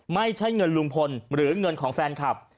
ไม่ใช่เงินลุงพลหรือเงินของแฟนคลับ